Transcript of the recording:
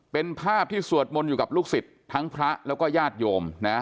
เป็นภาพที่สวดมนต์อยู่กับลูกศิษย์ทั้งพระแล้วก็ญาติโยมนะ